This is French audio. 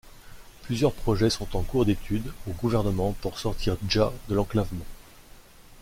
Plusieurs projets sont en cours d'études au gouvernement pour sortir Dja de l'enclavement.